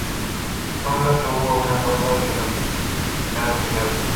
Gamboa tuvo una ronda de dominar primero.